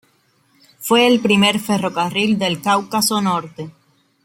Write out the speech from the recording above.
Fue el primer ferrocarril del Cáucaso Norte.